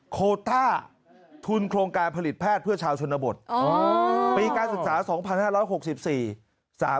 โคต้าทุนโครงการผลิตแพทย์เพื่อชาวชนบทปีการศึกษา๒๕๖๔